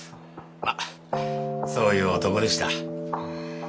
まっそういう男でした。